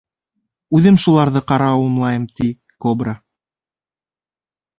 Үҙем шуларҙы ҡарауыллайым, ти кобра.